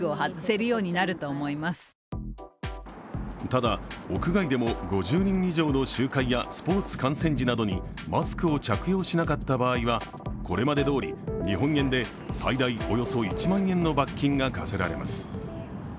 ただ、屋外でも５０人以上の集会やスポーツ観戦時などにマスクを着用しなかった場合はこれまでどおり日本円で最大およそ１万円の罰金が科せられます。